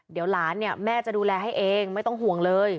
เดี๋ยวหลานเนี่ยแม่จะดูแลให้เองไม่ต้องห่วงเลย